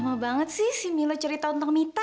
lama banget sih si milo cerita tentang mita